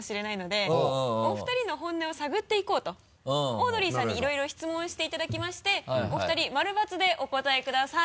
オードリーさんにいろいろ質問していただきましてお二人○×でお答えください。